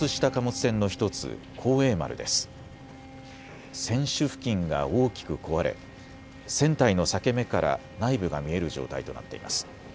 船首付近が大きく壊れ船体の裂け目から内部が見える状態となっています。